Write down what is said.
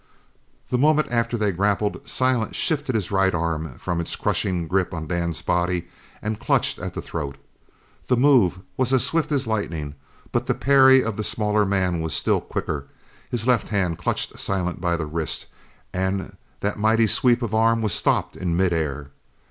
The moment after they grappled, Silent shifted his right arm from its crushing grip on Dan's body and clutched at the throat. The move was as swift as lightning, but the parry of the smaller man was still quicker. His left hand clutched Silent by the wrist, and that mighty sweep of arm was stopped in mid air!